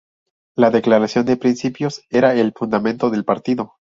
La Declaración de Principios era el fundamento del partido.